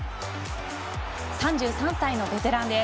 ３３歳のベテランです。